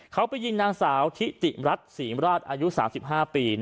เขาไปยิงนางสาวทิติรัฐศรีมราชอายุ๓๕ปี